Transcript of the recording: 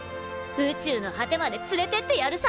宇宙の果てまで連れてってやるさ。